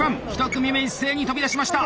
１組目一斉に飛び出しました！